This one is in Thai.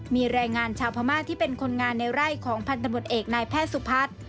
มีแรงงานชาวพม่าที่เป็นคนงานในไร่ของพันธบทเอกนายแพทย์สุพัฒน์